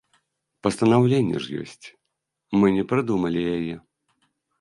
Пастанаўленне ж ёсць, мы не прыдумалі яе.